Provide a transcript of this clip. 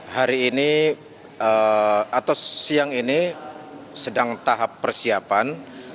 hari ini atau siang ini sedang tahap persiapan